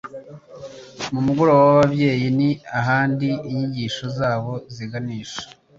mu mugoroba w ababyeyi n ahandi inyigisho zabo ziganisha